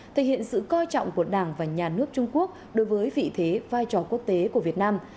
thể hiện sự coi trọng của đảng và nhà nước trung quốc đối với vị thế vai trò quốc tế của việt nam